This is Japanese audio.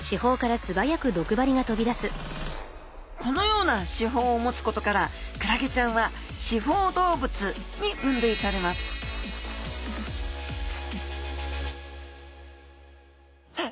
このような刺胞を持つことからクラゲちゃんは刺胞動物に分類されますさあ